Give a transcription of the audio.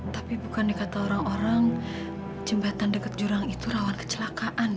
tapi bukannya kata orang orang jembatan dekat jurang itu rawan kecelakaan ya